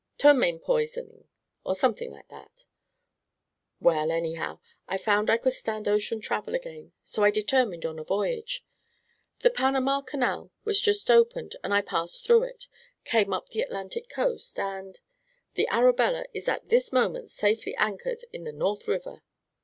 "Ptomaine poisoning, or something like that." "Well, anyhow, I found I could stand ocean travel again, so I determined on a voyage. The Panama Canal was just opened and I passed through it, came up the Atlantic coast, and the Arabella is at this moment safely anchored in the North River!"